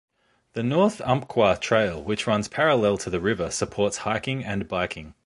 The North Umpqua Trail, which runs parallel to the river, supports hiking and biking.